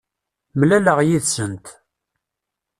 Mlaleɣ yid-sent.